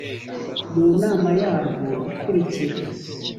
mu nama yarwo ikurikira